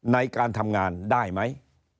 ในการทำงานได้ไหม